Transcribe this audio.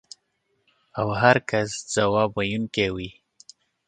او هر کس ځواب ویونکی وي.